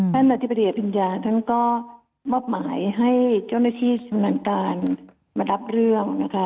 อธิบดีอภิญญาท่านก็มอบหมายให้เจ้าหน้าที่ชำนาญการมารับเรื่องนะคะ